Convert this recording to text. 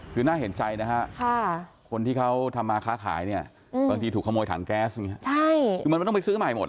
คือน่าเห็นใจนะฮะคนที่เขาทำมาค้าขายเนี่ยบางทีถูกขโมยถังแก๊สอย่างนี้คือมันไม่ต้องไปซื้อใหม่หมด